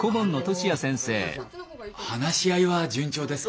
あの話し合いは順調ですか？